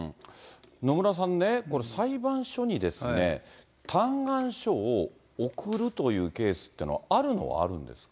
野村さんね、これ、裁判所にですね、嘆願書を送るというケースっていうのは、あるのはあるんですか。